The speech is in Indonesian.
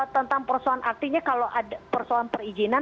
tentang persoalan artinya kalau ada persoalan perizinan